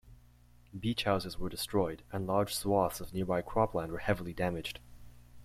Beach houses were destroyed, and large swaths of nearby cropland were heavily damaged.